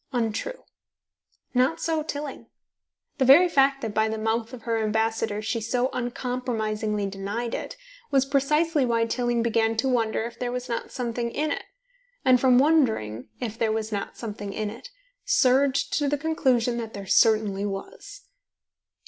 untrue. Not so Tilling. The very fact that, by the mouth of her ambassador, she so uncompromisingly denied it, was precisely why Tilling began to wonder if there was not something in it, and from wondering if there was not something in it, surged to the conclusion that there certainly was.